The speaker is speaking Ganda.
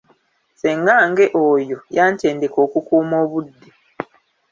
Ssengange oyo yantendeka okukuuma obudde.